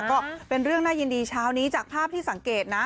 ก็เป็นเรื่องน่ายินดีเช้านี้จากภาพที่สังเกตนะ